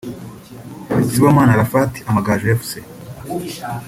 Sibomana Arafati (Amagaju Fc)